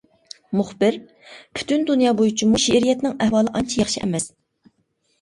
مۇخبىر: پۈتۈن دۇنيا بويىچىمۇ شېئىرىيەتنىڭ ئەھۋالى ئانچە ياخشى ئەمەس.